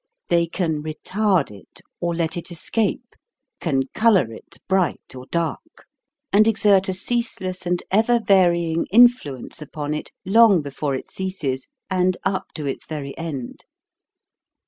They can retard it or let it escape, can color it bright or dark, and exert a ceaseless and ever varying influence upon it long before it ceases and up to its very end.